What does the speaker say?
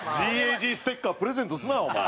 ＧＡＧステッカープレゼントすなお前。